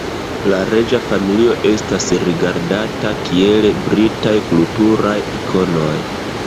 La reĝa familio estas rigardata kiel Britaj kulturaj ikonoj.